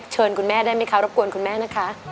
คุณแม่ได้ไหมคะรบกวนคุณแม่นะคะ